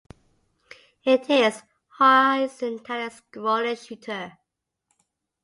It is a horizontally-scrolling shooter.